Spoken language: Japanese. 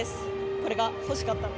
これが欲しかったので。